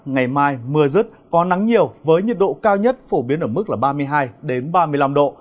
ngày mai mưa rứt có nắng nhiều với nhiệt độ cao nhất phổ biến ở mức ba mươi hai ba mươi năm độ